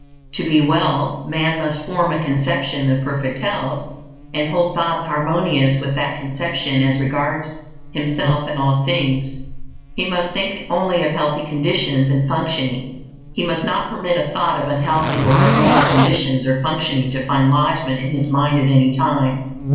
To be well, man must form a conception of perfect health, and hold thoughts harmonious with that conception as regards himself and all things. He must think only of healthy conditions and functioning; he must not permit a thought of unhealthy or abnormal conditions or functioning to find lodgment in his mind at any time.